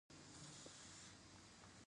ډيپلوماسي د اعتماد جوړولو یوه مهمه لار ده.